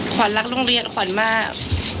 ขวัญรักโรงเรียนขวัญมาก